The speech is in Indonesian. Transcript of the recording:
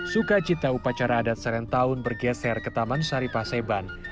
sukacita upacara serentown bergeser ke taman saripah seban